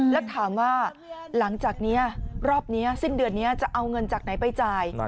แล้วถามว่าหลังจากนี้รอบนี้สิ้นเดือนนี้จะเอาเงินจากไหนไปจ่าย